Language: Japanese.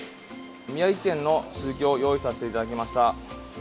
宮城県のスズキを用意させていただきました。